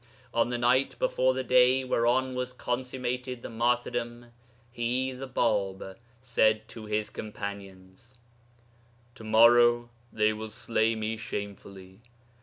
'On the night before the day whereon was consummated the martyrdom ... he [the Bāb] said to his companions, "To morrow they will slay me shamefully.